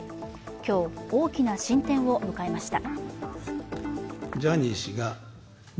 今日、大きな進展を迎えました。